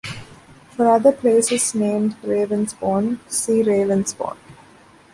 For other places named Ravensbourne, see Ravensbourne.